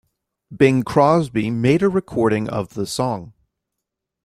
Bing Crosby made a recording of the song.